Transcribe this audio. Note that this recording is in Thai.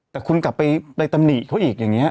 แต่คุณกลับไปไปตำหนิเขาอีกอย่างนี้